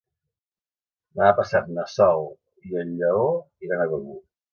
Demà passat na Sol i en Lleó iran a Begur.